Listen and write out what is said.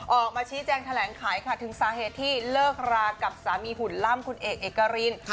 ออกมาชี้แจงแถลงไขค่ะถึงสาเหตุที่เลิกรากับสามีหุ่นล่ำคุณเอกเอกริน